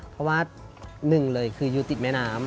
เพราะว่าหนึ่งเลยคืออยู่ติดแม่น้ำ